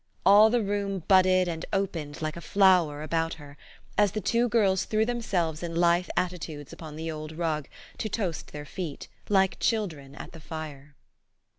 All the room budded and opened like a flower about her, as the two girls threw themselves in lithe atti tudes upon the old rug to " toast their feet " like children at the fire.